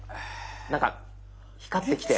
なんか光ってきて。